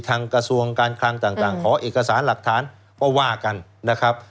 กระทรวงการคลังต่างขอเอกสารหลักฐานก็ว่ากันนะครับ